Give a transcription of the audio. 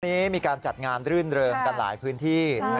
วันนี้มีการจัดงานรื่นเริงกันหลายพื้นที่